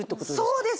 そうですよ。